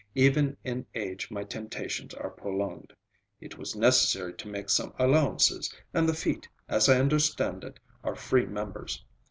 Even in age my temptations are prolonged. It was necessary to make some allowances; and the feet, as I understand it, are free members.